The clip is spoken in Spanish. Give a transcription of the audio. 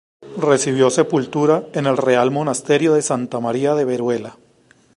Recibió sepultura en el Real Monasterio de Santa María de Veruela.